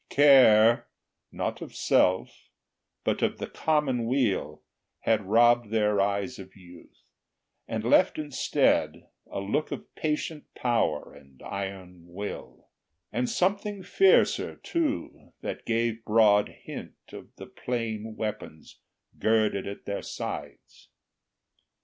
Care, not of self, but of the commonweal, Had robbed their eyes of youth, and left instead A look of patient power and iron will, And something fiercer, too, that gave broad hint Of the plain weapons girded at their sides.